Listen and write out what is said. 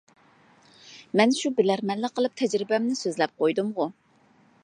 مەن شۇ بىلەرمەنلىك قىلىپ تەجرىبەمنى سۆزلەپ قويدۇمغۇ؟ !